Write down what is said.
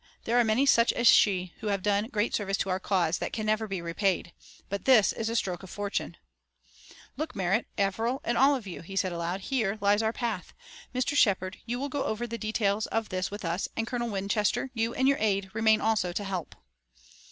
There are many such as she who have done great service to our cause that can never be repaid! But this is a stroke of fortune!" "Look, Merritt, Averill and all of you," he said aloud. "Here lies our path! Mr. Shepard, you will go over the details of this with us and, Colonel Winchester, you and your aide remain also to help."